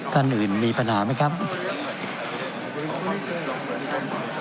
ท่านอื่นมีปัญหาไหมครับ